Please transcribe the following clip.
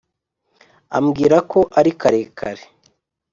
ambwira ko ari karekare